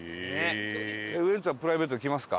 伊達：ウエンツはプライベートで来ますか？